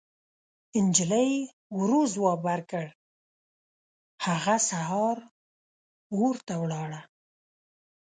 نجلۍ ورو ځواب ورکړ: هغه سهار اور ته ولاړه.